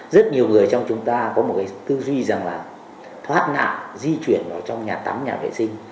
rất nhiều người trong chúng ta có một cái tư duy rằng là thoát nạn di chuyển vào trong nhà tắm nhà vệ sinh